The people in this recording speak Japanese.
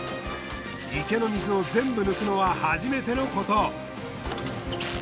池の水をぜんぶ抜くのは初めてのこと。